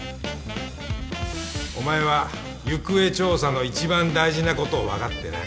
お前は行方調査の一番大事なことを分かってない